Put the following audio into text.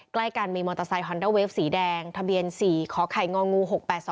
ใกล้กันมีมอเตอร์ไซคอนด้าเวฟสีแดงทะเบียน๔ขอไข่งองู๖๘๒